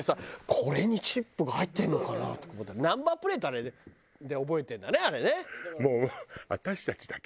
これにチップが入ってるのかな？と思ったらナンバープレートで覚えてるんだねあれね。